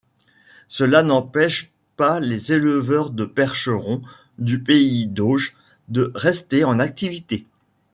Cela n'empêche pas les éleveurs de Percherons du pays d'Auge de rester en activité.